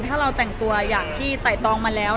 ถ้าเราแต่งตัวอย่างที่ไต่ตองมาแล้ว